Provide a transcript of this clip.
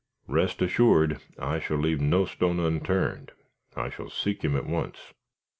"Rest assured I shall leave no stone unturned. I shall seek him at once."